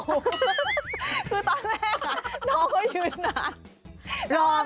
คือตอนแรกน่ะน้องก็ยืนหนัก